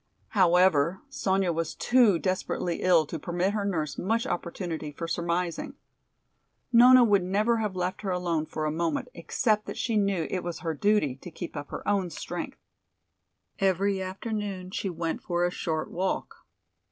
However, Sonya was too desperately ill to permit her nurse much opportunity for surmising. Nona would never have left her alone for a moment except that she knew it was her duty to keep up her own strength. Every afternoon she went for a short walk.